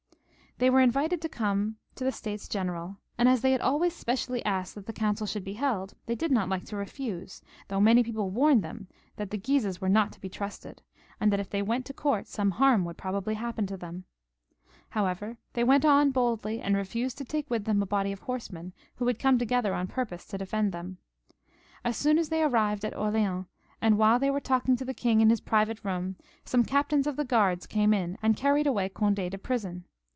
They were invited to come to the States Gteneral, and as they had always specially asked that the council should be held, they did not like to refuse, though many people warned them that the Guises were not to be trusted, and that if they went to court some harm would probably happen to them. However, they went on boldly, and refused to take with them a body of horsemen who had come together on purpose to defend them. As soon as they arrived at Orleans, and while they were talking to the king in his private room, some captains of the guards came in and carried away Cond^ to prison.